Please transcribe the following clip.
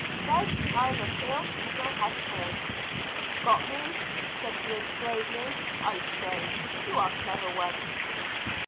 Ned's tide of ill humour had turned. "Got me?" said Griggs gravely. "I say, you are clever ones!"